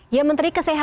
ya menteri kesehatan